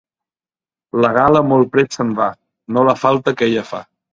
La gala molt prest se'n va, no la falta que ella fa.